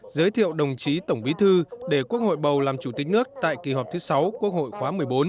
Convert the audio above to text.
giới thiệu đồng chí tổng bí thư để quốc hội bầu làm chủ tịch nước tại kỳ họp thứ sáu quốc hội khóa một mươi bốn